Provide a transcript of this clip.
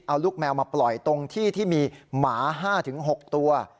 เอาลูกแมวมาปล่อยตรงที่ที่มีหมา๕๖ตัว